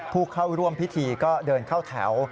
ผู้เข้าร่วมพิธีก็เดินเข้าแถว